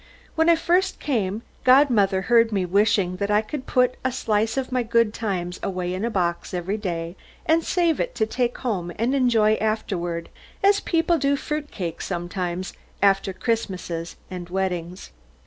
When I first came, godmother heard me wishing that I could put a slice of my good times away in a box every day, and save it to take home and enjoy afterward, as people do fruit cake sometimes, after Christmases and weddings.